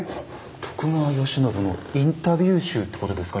徳川慶喜のインタビュー集ってことですか？